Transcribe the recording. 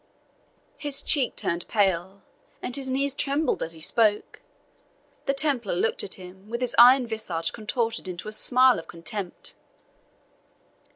His cheek turned pale and his knees trembled as he spoke. The Templar looked at him, with his iron visage contorted into a smile of contempt.